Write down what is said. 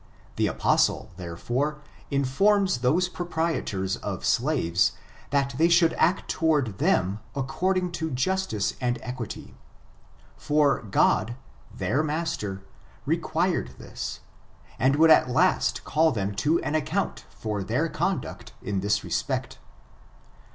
The apostle, therefore, informs those proprietors of slaves, that they should act toward them according to justice and equity ; for God, their master, required this, and would at last call them to an account for their conduct in this respect.